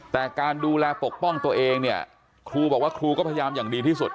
แต่การดูแลปกป้องตัวเองเนี่ยครูบอกว่าครูก็พยายามอย่างดีที่สุด